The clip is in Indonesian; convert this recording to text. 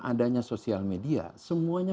adanya sosial media semuanya